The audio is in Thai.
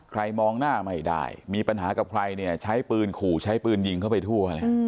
มองหน้าไม่ได้มีปัญหากับใครเนี่ยใช้ปืนขู่ใช้ปืนยิงเข้าไปทั่ว